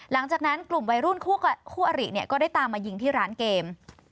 หลังจากนั้นกลุ่มวัยรุ่นคู่อริก็ได้ตามมายิงที่ร้านเกม